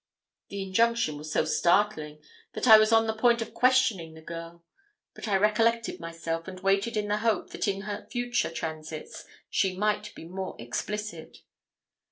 The injunction was so startling that I was on the point of questioning the girl. But I recollected myself, and waited in the hope that in her future transits she might be more explicit.